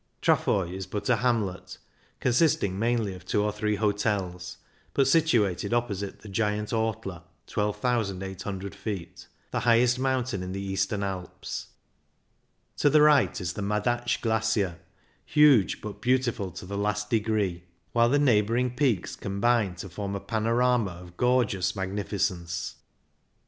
Trafoi is but a hamlet, consisting mainly of two or three hotels, but situated opposite the giant Ortler (12,800 ft.), the highest mountain in the Eastern Alps. To the right is the Madatsch Glacier, huge but beautiful to the last degree, while the neighbouring 24 CYCLING IN THE ALPS peaks combine to form a panorama of gorgeous magnificence.